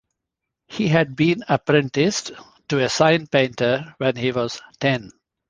He had been apprenticed to a sign painter when he was ten.